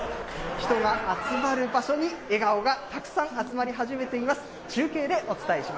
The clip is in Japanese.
人が集まる場所に笑顔がたくさん集まり始めています。